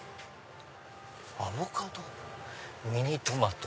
「アボカド」「ミニトマト」。